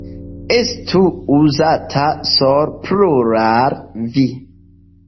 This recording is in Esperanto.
Estu uzata sole plurale "vi".